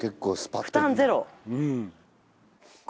負担ゼロ